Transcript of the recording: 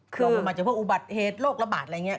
คือมันอาจจะพวกอุบัติเหตุโรคระบาดอะไรอย่างนี้